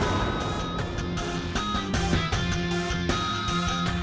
aku juga keluar dabang udah capek